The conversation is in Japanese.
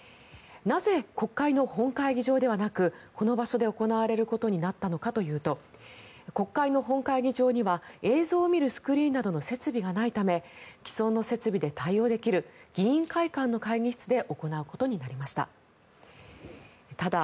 なぜ、国会の本会議場ではなくこの場所で行われることになったのかというと国会の本会議場には映像を見るスクリーンなどの設備がないため既存の設備で対応できる議員会館の会議室で行うことになりました。